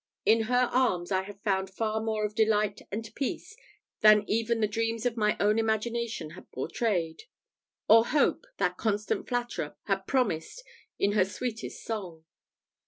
In her arms, I have found far more of delight and peace than even the dreams of my own imagination had portrayed; or Hope, that constant flatterer, had promised in her sweetest song.